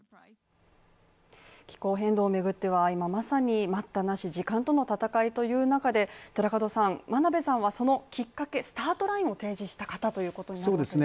気候変動を巡っては今まさに待ったなし、時間との戦いという中で真鍋さんはそのきっかけ、スタートラインを提示した方となるわけですね。